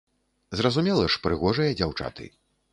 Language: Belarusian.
Зразумела ж, прыгожыя дзяўчаты.